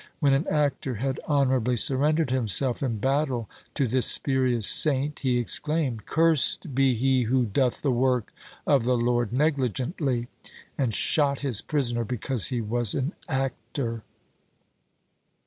When an actor had honourably surrendered himself in battle to this spurious "saint," he exclaimed, "Cursed be he who doth the work of the Lord negligently," and shot his prisoner because he was an actor!